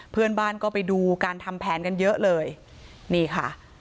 เพื่อนบ้านก็ไปดูการทำแผนกันเยอะเลยนี่ค่ะ